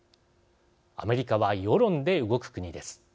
アメリカは世論で動く国です。